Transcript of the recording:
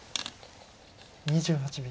２８秒。